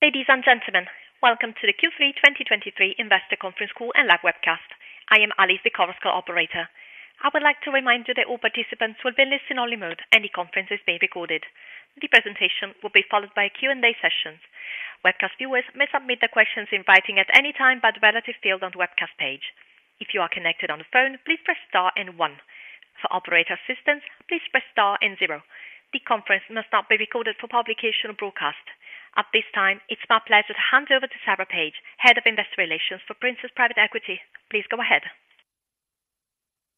Ladies and gentlemen, welcome to the Q3 2023 Investor Conference Call and live webcast. I am Alice, the conference call operator. I would like to remind you that all participants will be in listen-only mode, and the conference is being recorded. The presentation will be followed by a Q&A session. Webcast viewers may submit their questions in writing at any time by the relative field on the webcast page. If you are connected on the phone, please press star and one. For operator assistance, please press star and zero. The conference must not be recorded for publication or broadcast. At this time, it's my pleasure to hand over to Sarah Page, Head of Investor Relations for Princess Private Equity. Please go ahead.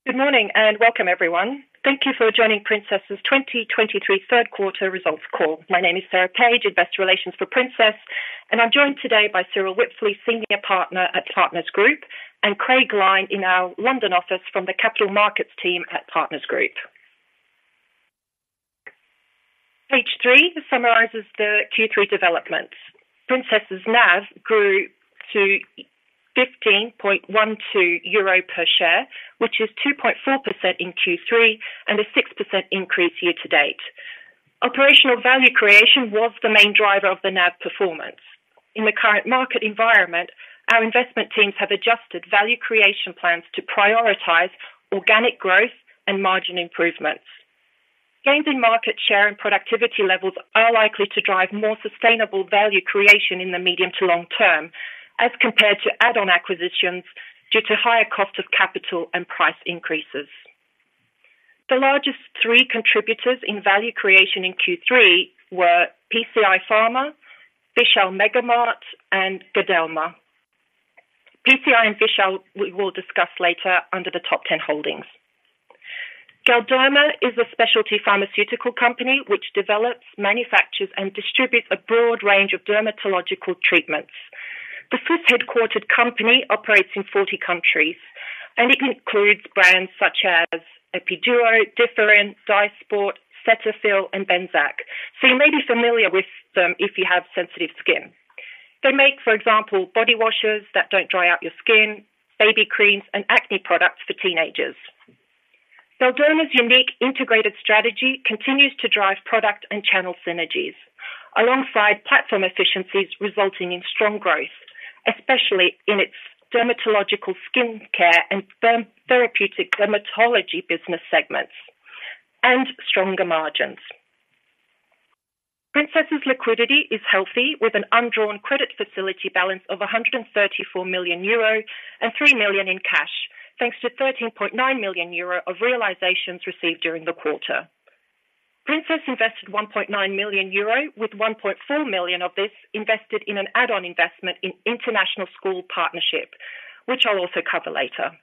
Good morning, and welcome, everyone. Thank you for joining Princess's 2023 third quarter results call. My name is Sarah Page, Investor Relations for Princess, and I'm joined today by Cyrill Wipfli, Senior Partner at Partners Group, and Craig Lyne in our London office from the Capital Markets team at Partners Group. Page three summarizes the Q3 developments. Princess's NAV grew to 15.12 euro per share, which is 2.4% in Q3 and a 6% increase year-to-date. Operational value creation was the main driver of the NAV performance. In the current market environment, our investment teams have adjusted value creation plans to prioritize organic growth and margin improvements. Gains in market share and productivity levels are likely to drive more sustainable value creation in the medium to long term, as compared to add-on acquisitions, due to higher cost of capital and price increases. The largest three contributors in value creation in Q3 were PCI Pharma, Vishal Mega Mart, and Galderma. PCI and Vishal, we will discuss later under the top ten holdings. Galderma is a specialty pharmaceutical company which develops, manufactures, and distributes a broad range of dermatological treatments. The Swiss-headquartered company operates in 40 countries, and it includes brands such as Epiduo, Differin, Dysport, Cetaphil, and Benzac. So you may be familiar with them if you have sensitive skin. They make, for example, body washes that don't dry out your skin, baby creams, and acne products for teenagers. Galderma's unique integrated strategy continues to drive product and channel synergies, alongside platform efficiencies, resulting in strong growth, especially in its dermatological skincare and therapeutic dermatology business segments and stronger margins. Princess's liquidity is healthy, with an undrawn credit facility balance of 134 million euro and 3 million in cash, thanks to 13.9 million euro of realizations received during the quarter. Princess invested 1.9 million euro, with 1.4 million of this invested in an add-on investment in International Schools Partnership, which I'll also cover later.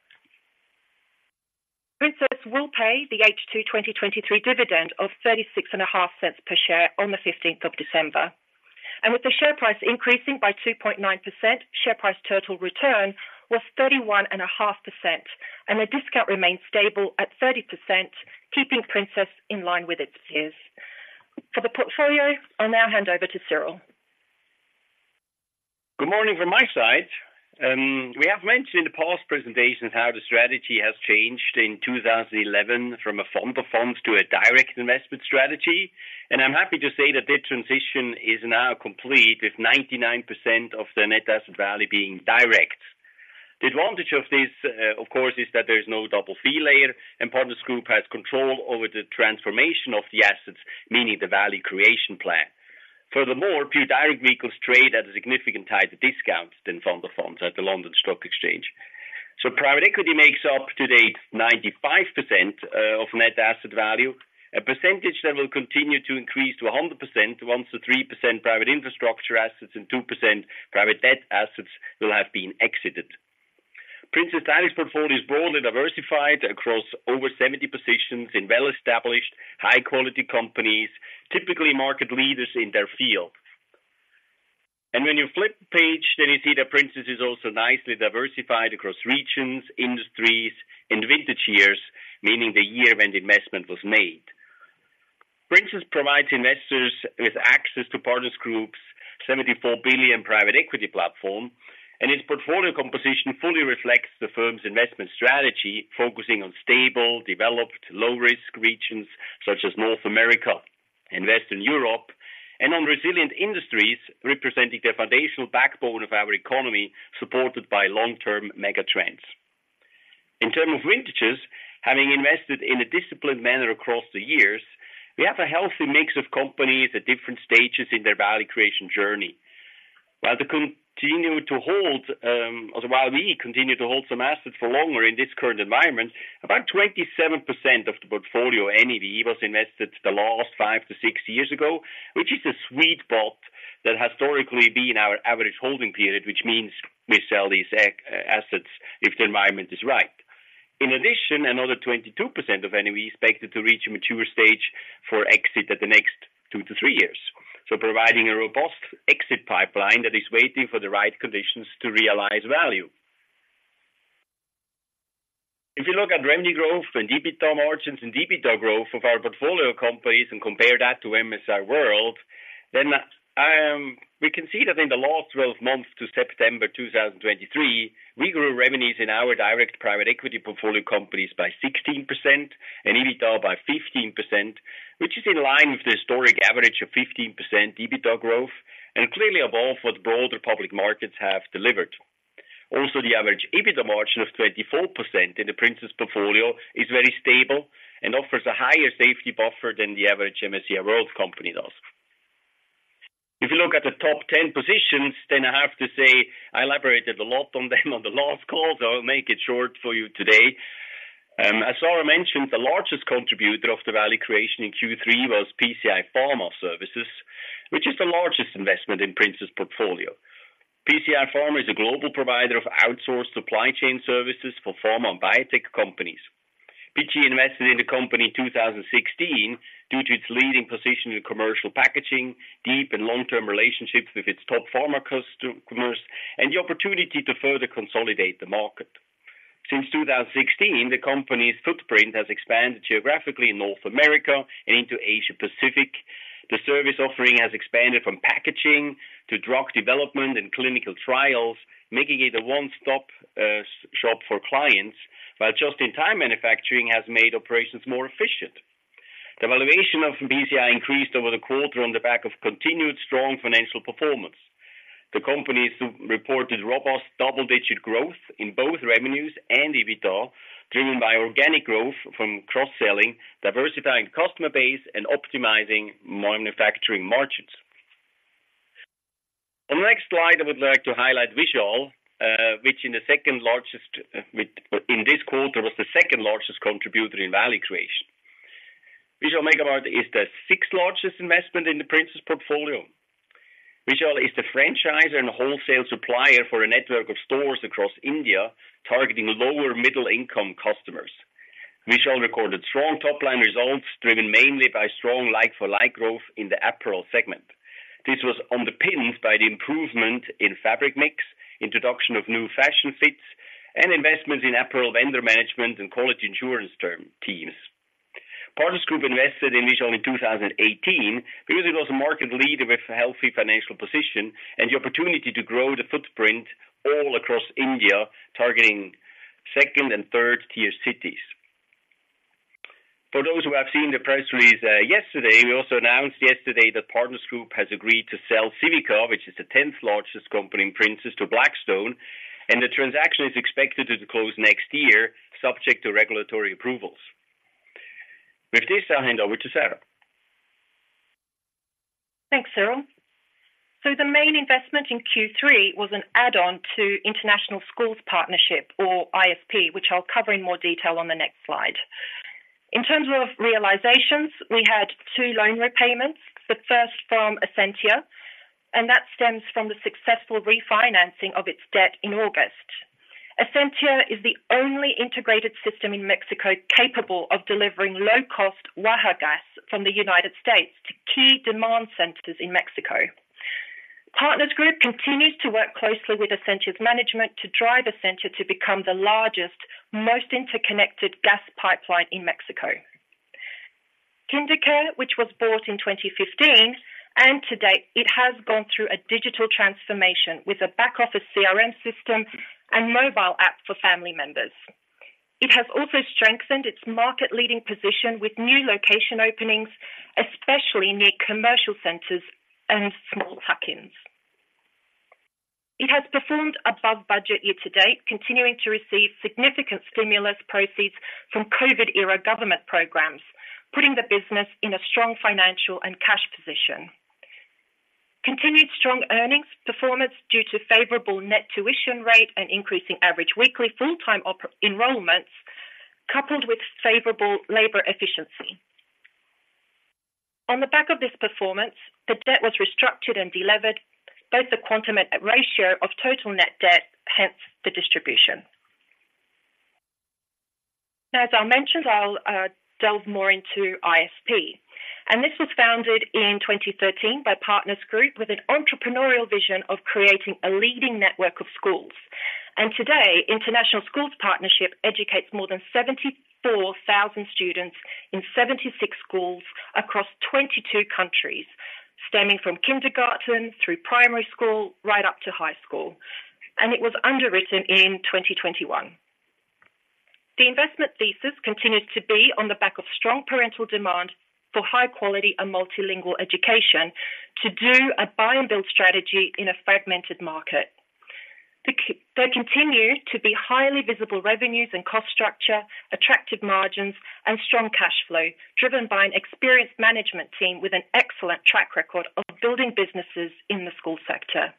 Princess will pay the H2 2023 dividend of 0.365 per share on the fifteenth of December, and with the share price increasing by 2.9%, share price total return was 31.5%, and the discount remains stable at 30%, keeping Princess in line with its peers. For the portfolio, I'll now hand over to Cyrill. Good morning from my side. We have mentioned in the past presentations how the strategy has changed in 2011 from a fund of funds to a direct investment strategy, and I'm happy to say that the transition is now complete, with 99% of the net asset value being direct. The advantage of this, of course, is that there is no double fee layer, and Partners Group has control over the transformation of the assets, meaning the value creation plan. Furthermore, pure direct vehicles trade at a significant higher discount than fund of funds at the London Stock Exchange. So private equity makes up to date 95% of net asset value, a percentage that will continue to increase to 100% once the 3% private infrastructure assets and 2% private debt assets will have been exited. Princess direct portfolio is broadly diversified across over 70 positions in well-established, high-quality companies, typically market leaders in their field. And when you flip page, then you see that Princess is also nicely diversified across regions, industries, and vintage years, meaning the year when the investment was made. Princess provides investors with access to Partners Group's 74 billion private equity platform, and its portfolio composition fully reflects the firm's investment strategy, focusing on stable, developed, low-risk regions such as North America and Western Europe, and on resilient industries representing the foundational backbone of our economy, supported by long-term megatrends. In terms of vintages, having invested in a disciplined manner across the years, we have a healthy mix of companies at different stages in their value creation journey. While they continue to hold, or while we continue to hold some assets for longer in this current environment, about 27% of the portfolio NAV was invested the last five to six years ago, which is a sweet spot that historically been our average holding period, which means we sell these assets if the environment is right. In addition, another 22% of NAV is expected to reach a mature stage for exit at the next two to three years. Providing a robust exit pipeline that is waiting for the right conditions to realize value. If you look at revenue growth and EBITDA margins and EBITDA growth of our portfolio companies and compare that to MSCI World, then, we can see that in the last twelve months to September 2023, we grew revenues in our direct private equity portfolio companies by 16% and EBITDA by 15%, which is in line with the historic average of 15% EBITDA growth and clearly above what broader public markets have delivered. Also, the average EBITDA margin of 24% in the Princess's portfolio is very stable and offers a higher safety buffer than the average MSCI World company does. If you look at the top ten positions, then I have to say, I elaborated a lot on them on the last call, so I'll make it short for you today. As Sarah mentioned, the largest contributor of the value creation in Q3 was PCI Pharma Services, which is the largest investment in Princess's portfolio. PCI Pharma is a global provider of outsourced supply chain services for pharma and biotech companies. PG invested in the company in 2016 due to its leading position in commercial packaging, deep and long-term relationships with its top pharma customers, and the opportunity to further consolidate the market. Since 2016, the company's footprint has expanded geographically in North America and into Asia Pacific. The service offering has expanded from packaging to drug development and clinical trials, making it a one-stop shop for clients, while just-in-time manufacturing has made operations more efficient. The valuation of PCI increased over the quarter on the back of continued strong financial performance. The company's reported robust double-digit growth in both revenues and EBITDA, driven by organic growth from cross-selling, diversifying customer base, and optimizing manufacturing margins. On the next slide, I would like to highlight Vishal, which is the second largest in this quarter, was the second-largest contributor in value creation. Vishal Mega Mart is the sixth largest investment in the Princess's portfolio. Vishal is the franchiser and wholesale supplier for a network of stores across India, targeting lower middle-income customers. Vishal recorded strong top-line results, driven mainly by strong like-for-like growth in the apparel segment. This was underpinned by the improvement in fabric mix, introduction of new fashion fits, and investments in apparel vendor management and quality assurance control teams. Partners Group invested in Vishal in 2018 because it was a market leader with a healthy financial position and the opportunity to grow the footprint all across India, targeting second and third-tier cities. For those who have seen the press release yesterday, we also announced yesterday that Partners Group has agreed to sell Civica, which is the tenth largest company in Princess to Blackstone, and the transaction is expected to close next year, subject to regulatory approvals. With this, I'll hand over to Sarah. Thanks, Cyrill. So the main investment in Q3 was an add-on to International Schools Partnership or ISP, which I'll cover in more detail on the next slide. In terms of realizations, we had two loan repayments, the first from Esentia, and that stems from the successful refinancing of its debt in August. Esentia is the only integrated system in Mexico capable of delivering low-cost Waha gas from the United States to key demand centers in Mexico. Partners Group continues to work closely with Esentia's management to drive Esentia to become the largest, most interconnected gas pipeline in Mexico. KinderCare, which was bought in 2015, and to date, it has gone through a digital transformation with a back-office CRM system and mobile app for family members. It has also strengthened its market-leading position with new location openings, especially near commercial centers and small tuck-ins. It has performed above budget year-to-date, continuing to receive significant stimulus proceeds from COVID-era government programs, putting the business in a strong financial and cash position. Continued strong earnings performance due to favorable net tuition rate and increasing average weekly full-time enrollments, coupled with favorable labor efficiency. On the back of this performance, the debt was restructured and delevered, both the quantum and ratio of total net debt, hence the distribution. As I mentioned, I'll delve more into ISP. This was founded in 2013 by Partners Group with an entrepreneurial vision of creating a leading network of schools. Today, International Schools Partnership educates more than 74,000 students in 76 schools across 22 countries, stemming from kindergarten through primary school, right up to high school, and it was underwritten in 2021. The investment thesis continues to be on the back of strong parental demand for high quality and multilingual education to do a buy and build strategy in a fragmented market. There continue to be highly visible revenues and cost structure, attractive margins, and strong cash flow, driven by an experienced management team with an excellent track record of building businesses in the school sector.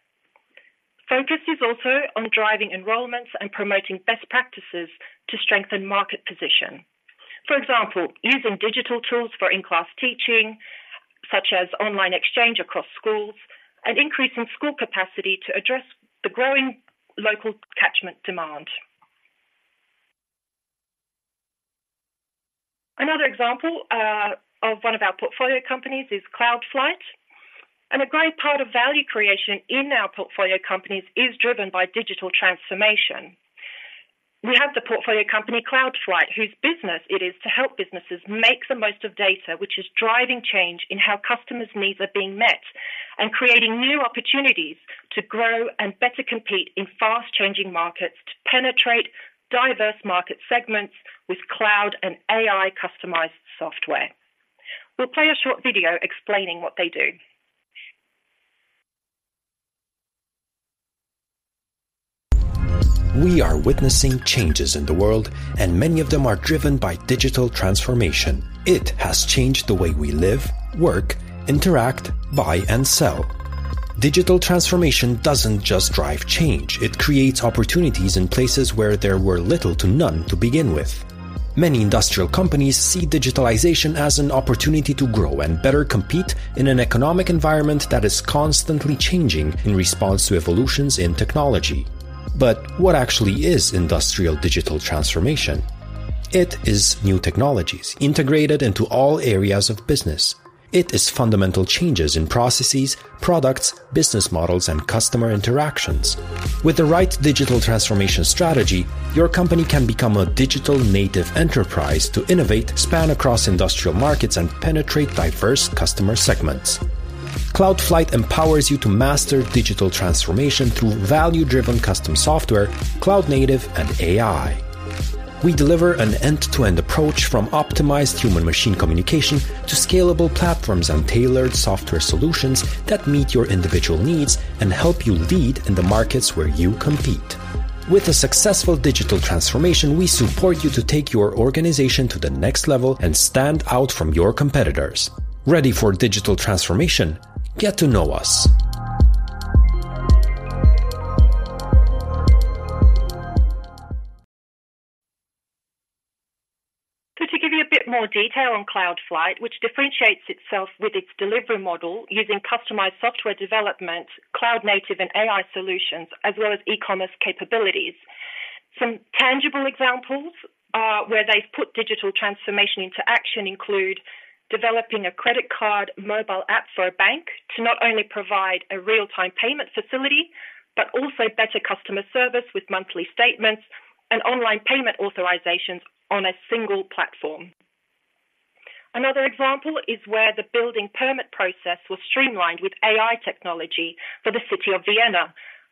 Focus is also on driving enrollments and promoting best practices to strengthen market position. For example, using digital tools for in-class teaching, such as online exchange across schools, and increasing school capacity to address the growing local catchment demand. Another example of one of our portfolio companies is Cloudflight, and a great part of value creation in our portfolio companies is driven by digital transformation. We have the portfolio company, Cloudflight, whose business it is to help businesses make the most of data, which is driving change in how customers' needs are being met, and creating new opportunities to grow and better compete in fast-changing markets, to penetrate diverse market segments with cloud and AI customized software.... We'll play a short video explaining what they do. We are witnessing changes in the world, and many of them are driven by digital transformation. It has changed the way we live, work, interact, buy, and sell. Digital transformation doesn't just drive change, it creates opportunities in places where there were little to none to begin with. Many industrial companies see digitalization as an opportunity to grow and better compete in an economic environment that is constantly changing in response to evolutions in technology. But what actually is industrial digital transformation? It is new technologies integrated into all areas of business. It is fundamental changes in processes, products, business models, and customer interactions. With the right digital transformation strategy, your company can become a digital native enterprise to innovate, span across industrial markets, and penetrate diverse customer segments. Cloudflight empowers you to master digital transformation through value-driven custom software, cloud native, and AI. We deliver an end-to-end approach from optimized human machine communication to scalable platforms and tailored software solutions that meet your individual needs and help you lead in the markets where you compete. With a successful digital transformation, we support you to take your organization to the next level and stand out from your competitors. Ready for digital transformation? Get to know us. Just to give you a bit more detail on Cloudflight, which differentiates itself with its delivery model using customized software development, cloud native and AI solutions, as well as e-commerce capabilities. Some tangible examples where they've put digital transformation into action include developing a credit card mobile app for a bank to not only provide a real-time payment facility, but also better customer service with monthly statements and online payment authorizations on a single platform. Another example is where the building permit process was streamlined with AI technology for the city of Vienna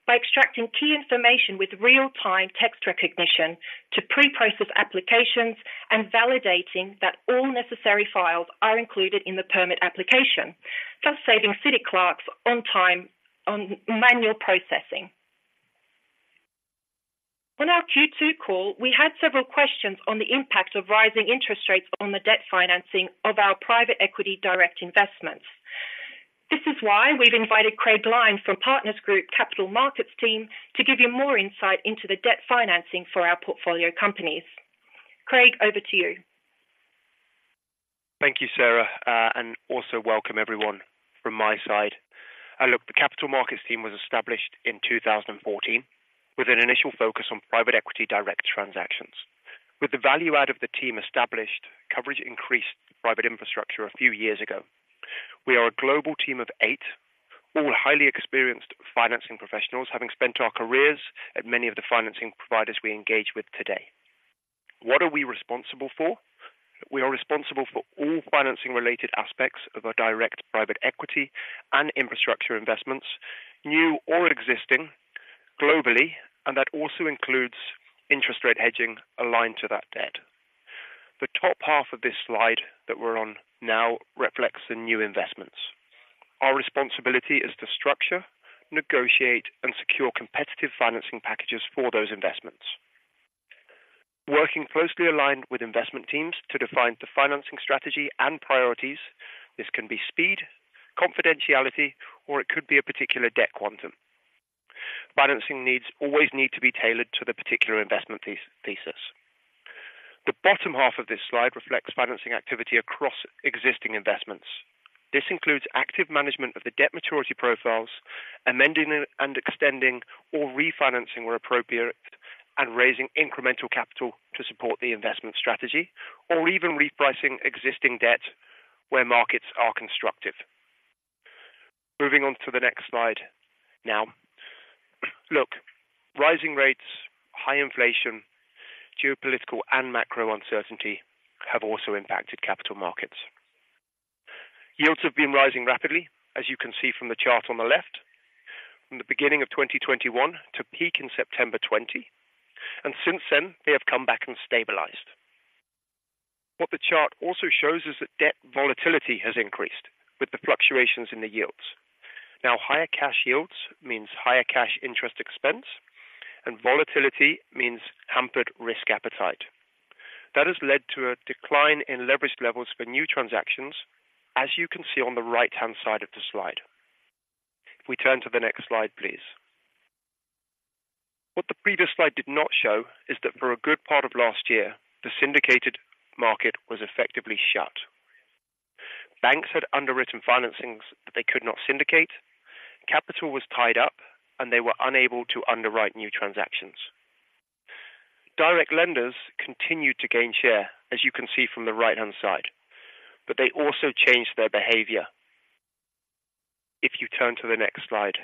by extracting key information with real-time text recognition to pre-process applications and validating that all necessary files are included in the permit application, thus saving city clerks on time on manual processing. On our Q2 call, we had several questions on the impact of rising interest rates on the debt financing of our private equity direct investments. This is why we've invited Craig Lyne from Partners Group Capital Markets team, to give you more insight into the debt financing for our portfolio companies. Craig, over to you. Thank you, Sarah, and also welcome everyone from my side. And look, the capital markets team was established in 2014 with an initial focus on private equity direct transactions. With the value out of the team established, coverage increased private infrastructure a few years ago. We are a global team of eight, all highly experienced financing professionals, having spent our careers at many of the financing providers we engage with today. What are we responsible for? We are responsible for all financing related aspects of our direct private equity and infrastructure investments, new or existing, globally, and that also includes interest rate hedging aligned to that debt. The top half of this slide that we're on now reflects the new investments. Our responsibility is to structure, negotiate, and secure competitive financing packages for those investments. Working closely aligned with investment teams to define the financing strategy and priorities, this can be speed, confidentiality, or it could be a particular debt quantum. Financing needs always need to be tailored to the particular investment thesis. The bottom half of this slide reflects financing activity across existing investments. This includes active management of the debt maturity profiles, amending and extending or refinancing where appropriate, and raising incremental capital to support the investment strategy, or even repricing existing debt where markets are constructive. Moving on to the next slide now. Look, rising rates, high inflation, geopolitical and macro uncertainty have also impacted capital markets. Yields have been rising rapidly, as you can see from the chart on the left, from the beginning of 2021 to peak in September 2022, and since then, they have come back and stabilized. What the chart also shows is that debt volatility has increased with the fluctuations in the yields. Now, higher cash yields means higher cash interest expense, and volatility means hampered risk appetite. That has led to a decline in leverage levels for new transactions, as you can see on the right-hand side of the slide. If we turn to the next slide, please. What the previous slide did not show is that for a good part of last year, the syndicated market was effectively shut. Banks had underwritten financings that they could not syndicate, capital was tied up, and they were unable to underwrite new transactions. Direct lenders continued to gain share, as you can see from the right-hand side, but they also changed their behavior. If you turn to the next slide,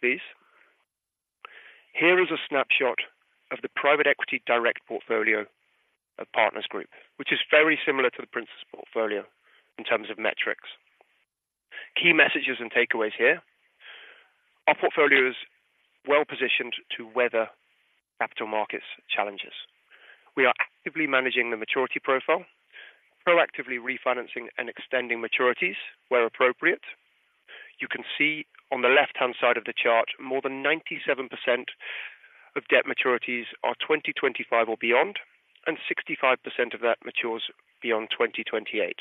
please. Here is a snapshot of the private equity direct portfolio of Partners Group, which is very similar to the Princess's portfolio in terms of metrics. Key messages and takeaways here. Our portfolio is well positioned to weather capital markets challenges. We are actively managing the maturity profile, proactively refinancing and extending maturities where appropriate. You can see on the left-hand side of the chart, more than 97% of debt maturities are 2025 or beyond, and 65% of that matures beyond 2028.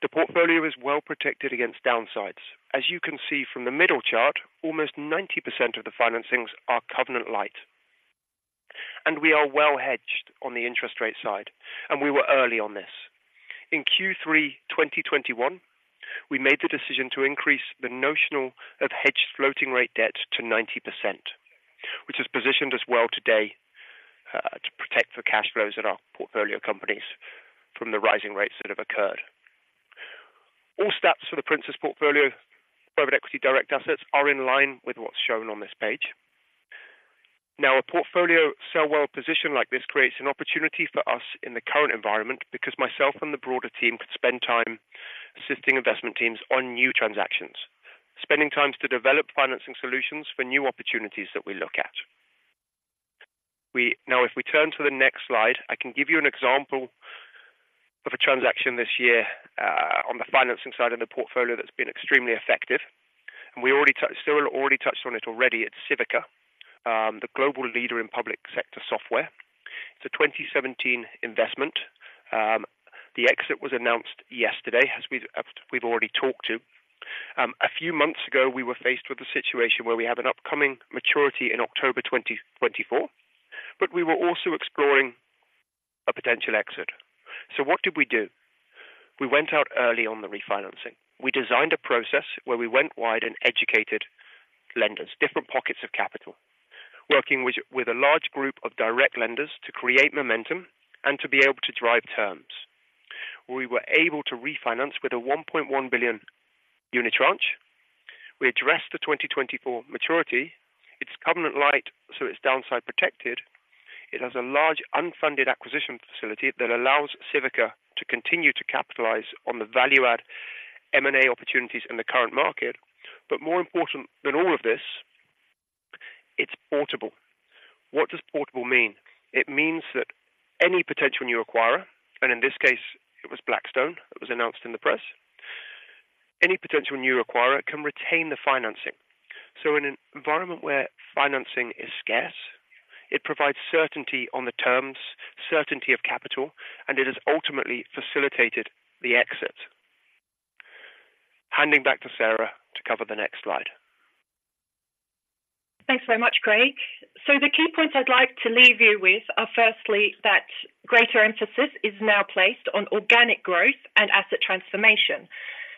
The portfolio is well protected against downsides. As you can see from the middle chart, almost 90% of the financings are covenant light, and we are well hedged on the interest rate side, and we were early on this. In Q3 2021, we made the decision to increase the notional of hedged floating rate debt to 90%, which has positioned us well today to protect the cash flows in our portfolio companies from the rising rates that have occurred. All stats for the Princess portfolio, private equity direct assets are in line with what's shown on this page. Now, a portfolio so well positioned like this creates an opportunity for us in the current environment because myself and the broader team could spend time assisting investment teams on new transactions. Spending time to develop financing solutions for new opportunities that we look at. Now, if we turn to the next slide, I can give you an example of a transaction this year on the financing side of the portfolio that's been extremely effective, and we already touched on it already. It's Civica, the global leader in public sector software. It's a 2017 investment. The exit was announced yesterday, as we've already talked to. A few months ago, we were faced with a situation where we have an upcoming maturity in October 2024, but we were also exploring a potential exit. So what did we do? We went out early on the refinancing. We designed a process where we went wide and educated lenders, different pockets of capital, working with a large group of direct lenders to create momentum and to be able to drive terms. We were able to refinance with a 1.1 billion unitranche. We addressed the 2024 maturity. It's covenant light, so it's downside protected. It has a large unfunded acquisition facility that allows Civica to continue to capitalize on the value add M&A opportunities in the current market. More important than all of this, it's portable. What does portable mean? It means that any potential new acquirer, and in this case it was Blackstone, it was announced in the press. Any potential new acquirer can retain the financing. So in an environment where financing is scarce, it provides certainty on the terms, certainty of capital, and it has ultimately facilitated the exit. Handing back to Sarah to cover the next slide. Thanks very much, Greg. So the key points I'd like to leave you with are firstly, that greater emphasis is now placed on organic growth and asset transformation.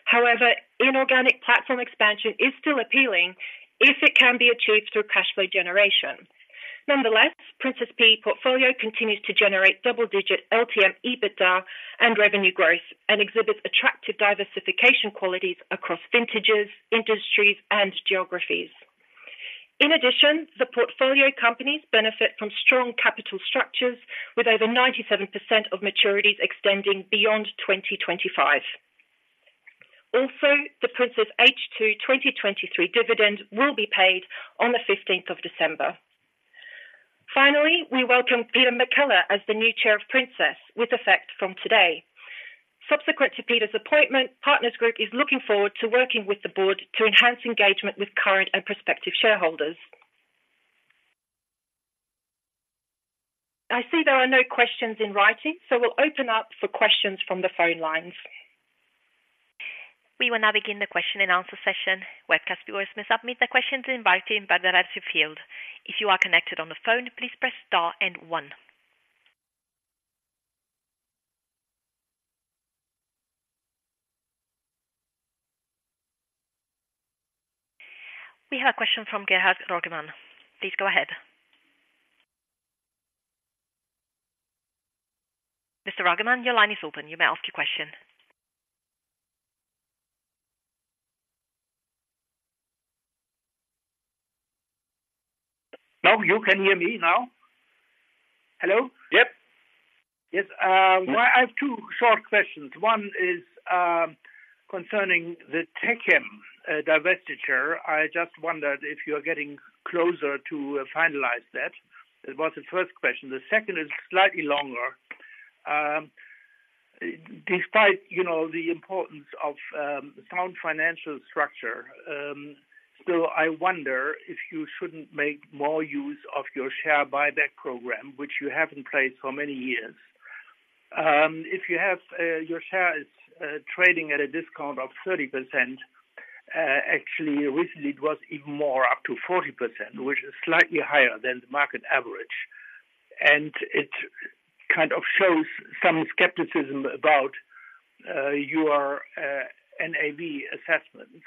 However, inorganic platform expansion is still appealing if it can be achieved through cash flow generation. Nonetheless, Princess PE portfolio continues to generate double-digit LTM EBITDA and revenue growth, and exhibits attractive diversification qualities across vintages, industries, and geographies. In addition, the portfolio companies benefit from strong capital structures, with over 97% of maturities extending beyond 2025. Also, the Princess H2 2023 dividend will be paid on the fifteenth of December. Finally, we welcome Peter McKellar as the new Chair of Princess, with effect from today. Subsequent to Peter's appointment, Partners Group is looking forward to working with the board to enhance engagement with current and prospective shareholders. I see there are no questions in writing, so we'll open up for questions from the phone lines. We will now begin the question and answer session. Webcast viewers may submit their questions in writing by the relevant field. If you are connected on the phone, please press star and one. We have a question from Gerhard Roggemann. Please go ahead. Mr. Roggemann, your line is open. You may ask your question. Now, you can hear me now? Hello? Yep. Yes, well, I have two short questions. One is, concerning the Techem, divestiture. I just wondered if you are getting closer to finalize that. That was the first question. The second is slightly longer. Despite, you know, the importance of, sound financial structure, still, I wonder if you shouldn't make more use of your share buyback program, which you have in place for many years. If you have, your share is trading at a discount of 30%, actually recently it was even more up to 40%, which is slightly higher than the market average. And it kind of shows some skepticism about, your, NAV assessments,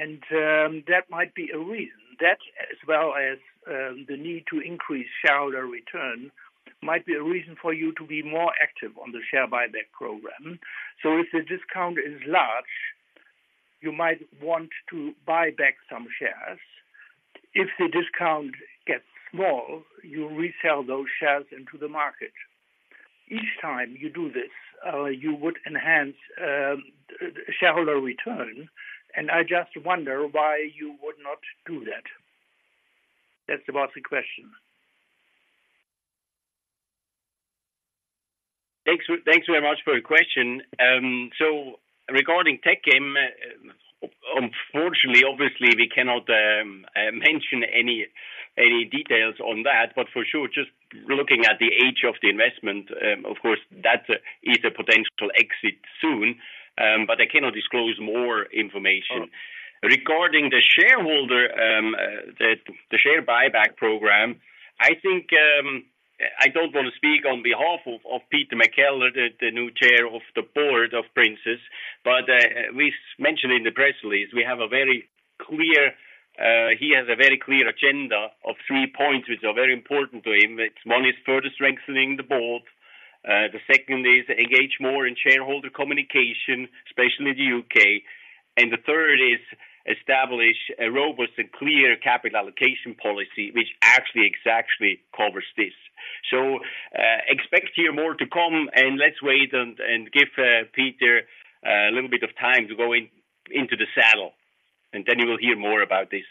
and, that might be a reason. That, as well as, the need to increase shareholder return, might be a reason for you to be more active on the share buyback program. So if the discount is large, you might want to buy back some shares. If the discount gets small, you resell those shares into the market... each time you do this, you would enhance shareholder return, and I just wonder why you would not do that. That's about the question. Thanks, thanks very much for your question. So regarding Techem, unfortunately, obviously, we cannot mention any details on that, but for sure, just looking at the age of the investment, of course, that is a potential exit soon. But I cannot disclose more information. Regarding the shareholder, the share buyback program, I think, I don't want to speak on behalf of Peter McKellar, the new chair of the board of Princess, but we mentioned in the press release, we have a very clear—he has a very clear agenda of three points, which are very important to him. It's, one is further strengthening the board. The second is engage more in shareholder communication, especially in the U.K.. And the third is establish a robust and clear capital allocation policy, which actually exactly covers this. So, expect here more to come, and let's wait and, and give, Peter, a little bit of time to go in, into the saddle, and then you will hear more about this.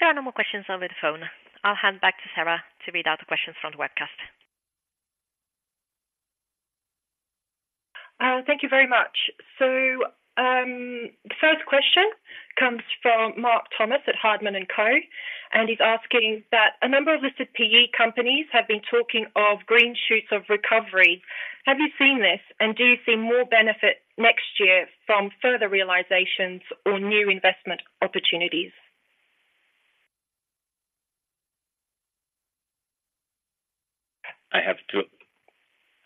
There are no more questions over the phone. I'll hand back to Sarah to read out the questions from the webcast. Thank you very much. So, the first question comes from Mark Thomas at Hardman & Co. He's asking that a number of listed PE companies have been talking of green shoots of recovery. Have you seen this? And do you see more benefit next year from further realizations or new investment opportunities? I have to,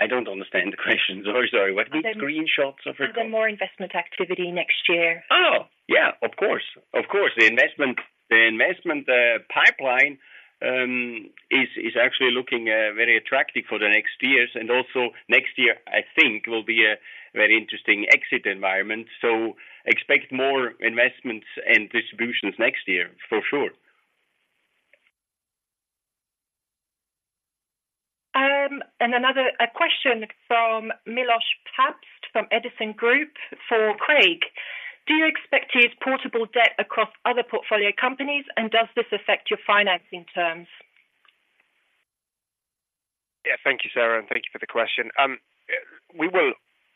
I don't understand the question. So sorry. What green shots of recovery? More investment activity next year. Oh, yeah, of course. Of course. The investment, the investment pipeline is actually looking very attractive for the next years, and also next year, I think, will be a very interesting exit environment. So expect more investments and distributions next year, for sure. And another, a question from Milosz Papst, from Edison Group for Craig: Do you expect to use portable debt across other portfolio companies, and does this affect your financing terms? Yeah. Thank you, Sarah, and thank you for the question. We will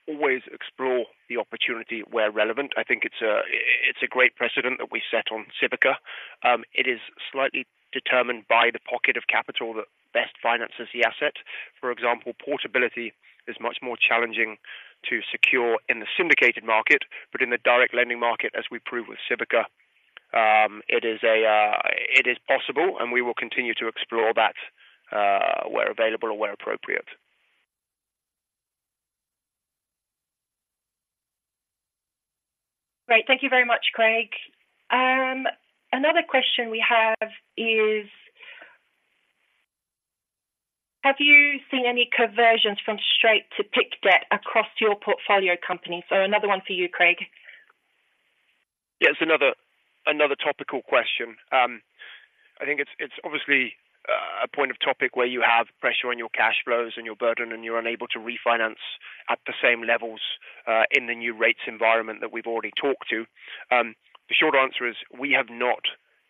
always explore the opportunity where relevant. I think it's a great precedent that we set on Civica. It is slightly determined by the pocket of capital that best finances the asset. For example, portability is much more challenging to secure in the syndicated market, but in the direct lending market, as we prove with Civica, it is possible, and we will continue to explore that, where available or where appropriate. Great. Thank you very much, Craig. Another question we have is: Have you seen any conversions from straight to PIK debt across your portfolio company? So another one for you, Craig. Yeah, it's another, another topical question. I think it's, it's obviously, a point of topic where you have pressure on your cash flows and your burden, and you're unable to refinance at the same levels, in the new rates environment that we've already talked to. The short answer is, we have not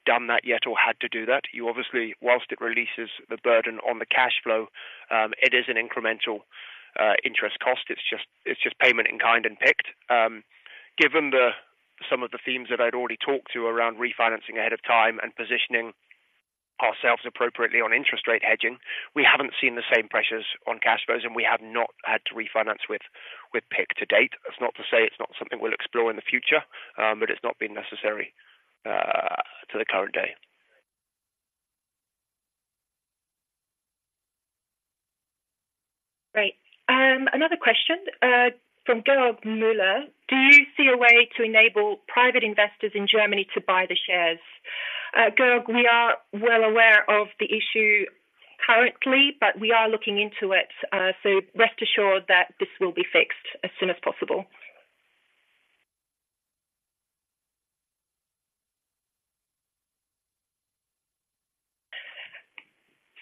done that yet or had to do that. You obviously, whilst it releases the burden on the cash flow, it is an incremental, interest cost. It's just, it's just payment in kind and PIK. Given the, some of the themes that I'd already talked to around refinancing ahead of time and positioning ourselves appropriately on interest rate hedging, we haven't seen the same pressures on cash flows, and we have not had to refinance with, with PIK to date. That's not to say it's not something we'll explore in the future, but it's not been necessary to the current day. Great. Another question from George Mueller: Do you see a way to enable private investors in Germany to buy the shares? George, we are well aware of the issue currently, but we are looking into it, so rest assured that this will be fixed as soon as possible.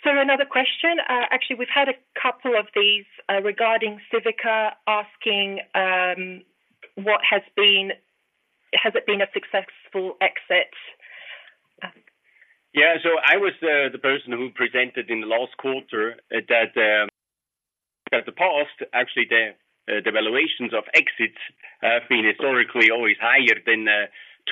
So another question, actually, we've had a couple of these regarding Civica asking, what has been-- has it been a successful exit? Yeah. So I was the person who presented in the last quarter, in the past, actually, the valuations of exits have been historically always higher than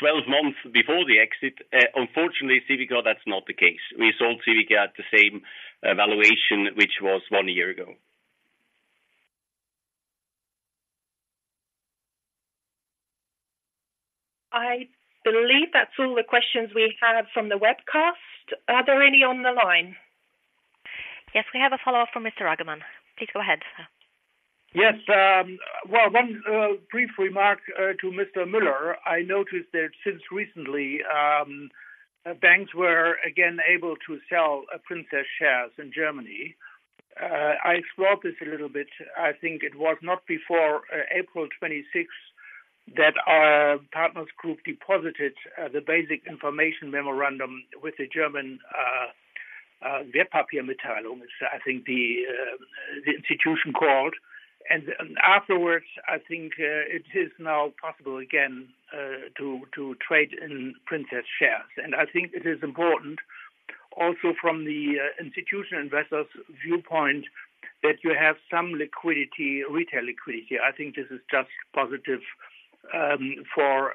12 months before the exit. Unfortunately, Civica, that's not the case. We sold Civica at the same valuation, which was one year ago. I believe that's all the questions we have from the webcast. Are there any on the line? Yes, we have a follow-up from Mr. Roggemann. Please go ahead, sir. Yes, well, one brief remark to Mr. Müller. I noticed that since recently, Banks were again able to sell Princess shares in Germany. I explored this a little bit. I think it was not before April 26th that our Partners Group deposited the basic information memorandum with the German, I think the institution called. And afterwards, I think it is now possible again to trade in Princess shares. And I think it is important also from the institutional investors' viewpoint, that you have some liquidity, retail liquidity. I think this is just positive for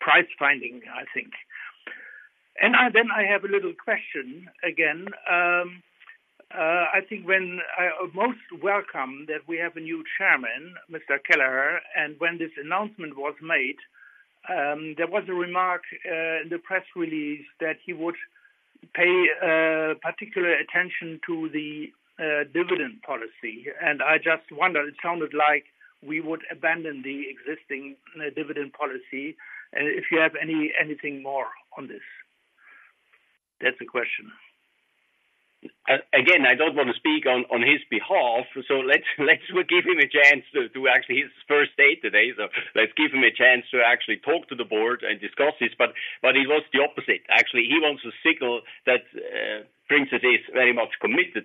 price finding, I think. And then I have a little question again. I most welcome that we have a new chairman. Mr. McKellar, and when this announcement was made, there was a remark in the press release that he would pay particular attention to the dividend policy. And I just wonder, it sounded like we would abandon the existing dividend policy. And if you have anything more on this? That's the question. Again, I don't want to speak on his behalf, so let's give him a chance to actually his first day today. So let's give him a chance to actually talk to the board and discuss this. But it was the opposite. Actually, he wants a signal that Princess is very much committed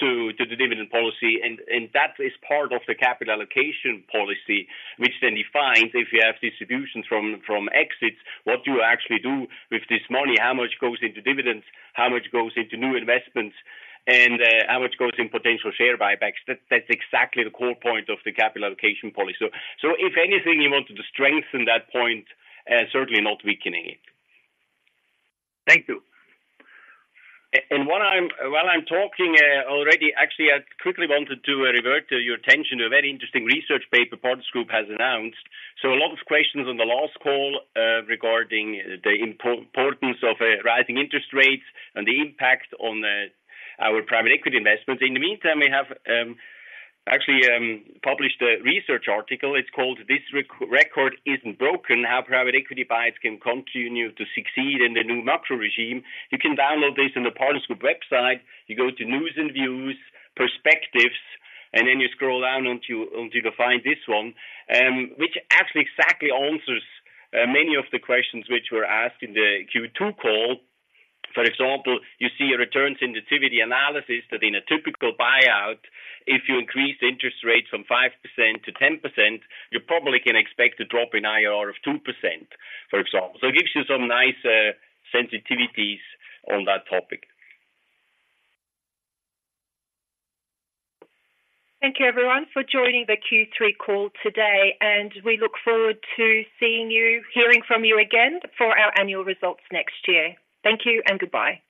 to the dividend policy, and that is part of the capital allocation policy, which then defines if you have distributions from exits, what you actually do with this money, how much goes into dividends, how much goes into new investments, and how much goes in potential share buybacks. That's exactly the core point of the capital allocation policy. So if anything, he wanted to strengthen that point, certainly not weakening it. Thank you. While I'm talking, already, actually, I quickly wanted to revert your attention to a very interesting research paper Partners Group has announced. So a lot of questions on the last call regarding the importance of rising interest rates and the impact on our private equity investments. In the meantime, we have actually published a research article. It's called This Record Isn't Broken: How Private Equity Buys Can Continue to Succeed in the New Macro Regime. You can download this on the Partners Group website. You go to News and Views, Perspectives, and then you scroll down until you find this one, which actually exactly answers many of the questions which were asked in the Q2 call. For example, you see a return sensitivity analysis that in a typical buyout, if you increase the interest rates from 5% to 10%, you probably can expect a drop in IRR of 2%, for example. So it gives you some nice sensitivities on that topic. Thank you, everyone, for joining the Q3 call today, and we look forward to seeing you, hearing from you again for our annual results next year. Thank you and goodbye.